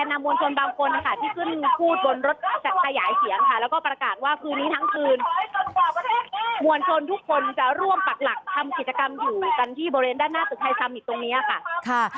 แล้วก็ประกาศว่าคืนนี้ทั้งคืนมวลชนทุกคนจะร่วมปักหลักทำกิจกรรมอยู่กันที่โบเรนท์ด้านหน้าถึงไทยซัมมิตรตรงนี้ค่ะ